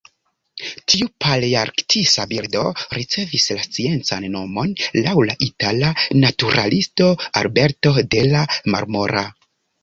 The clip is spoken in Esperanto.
Tiu palearktisa birdo ricevis la sciencan nomon laŭ la itala naturalisto Alberto della Marmora.